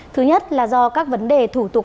thứ nhất là do các vấn đề thủ tục